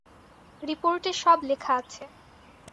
রিপোর্টে সব লেখা আছে।